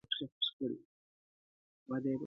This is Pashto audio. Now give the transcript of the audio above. • کرۍ ورځ به خلک تلله او راتلله -